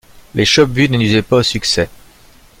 Les chopes bues ne nuisaient pas au succès.